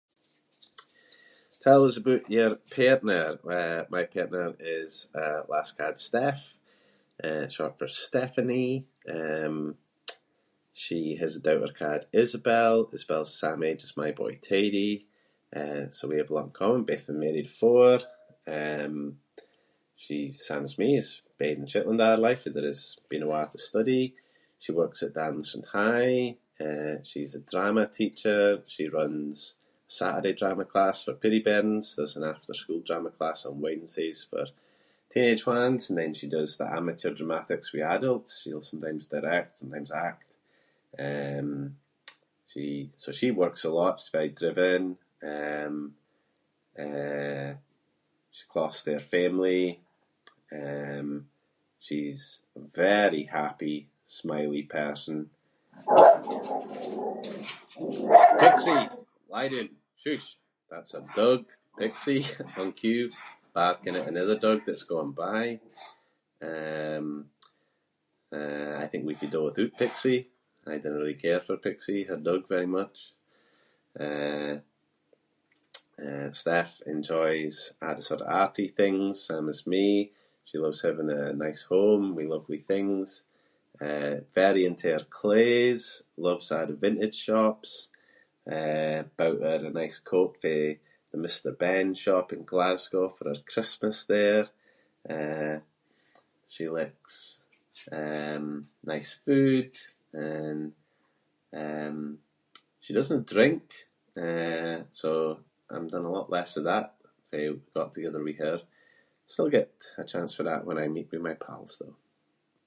Tell us aboot your partner. Well my partner is a lass ca’d Steph, eh, short for Stephanie. Um, she has a daughter ca’d Isobel. Isobel’s the same age as my boy Teddy, eh, so we have a lot in common. Both been married afore, um, she’s the same as me, has bed in Shetland a’ her life, [inc] been awa’ to study, she works at [inc] high. Eh, she’s a drama teacher. She runs a Saturday drama class for peerie bairns. There’s an after-school drama class on Wednesdays for teenage ones, and then she does the amateur dramatics with adults. She’ll sometimes direct, sometimes act. Um, she- so she works a lot, she’s very driven. Um, eh, she’s close to her family. Um, she’s a very happy, smiley person [inc] Pixie lie doon, shush! That’s her dug, Pixie, on cue, barking at another dug that’s going by. Um, eh, I think we could do withoot Pixie. I dinna really care for Pixie, her dug, very much. Eh, eh Steph enjoys a’ the sort of arty things, same as me, she loves having a nice home with lovely things. Eh, very into her claes -loves a’ the vintage shops. Eh, bought her a nice coat fae the Mr Ben shop in Glasgow for her Christmas there. Eh, she likes, um, nice food, and, um, she doesn’t drink, eh, so I’m done a lot less of that, fae we got together with her. Still get a chance for that when I meet with my pals though.